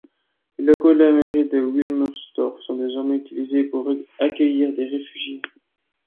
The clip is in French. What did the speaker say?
Les locaux de la mairie de Wilmersdorf sont désormais utilisés pour accueillir des réfugiés.